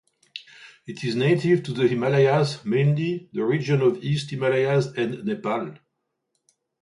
It is native to the Himalayas mainly the regions of East Himalayas and Nepal.